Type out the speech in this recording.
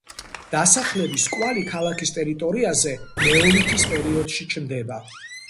დასახლების კვალი ქალაქის ტერიტორიაზე ნეოლითის პერიოდში ჩნდება.